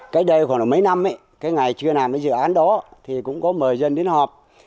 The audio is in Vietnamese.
cách đây khoảng mấy năm cái ngày chưa làm cái dự án đó thì cũng có mời dân đến họp